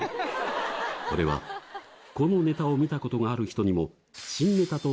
これはこのネタを見た事がある人にも。